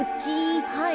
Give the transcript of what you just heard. はい。